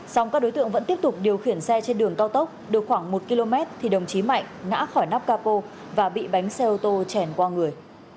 xong các đối tượng vẫn tiếp tục điều khiển xe trên đường cao tốc được khoảng một km thì đồng chí mạnh ngã khỏi nắp capo và bị bánh xe ô tô chèn qua người